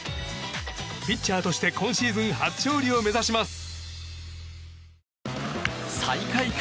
ピッチャーとして今シーズン初勝利を目指します。